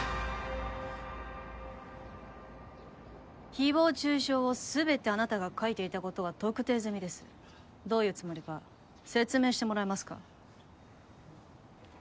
誹謗中傷を全てあなたが書いていたことは特定済みですどういうつもりか説明してもらえますか？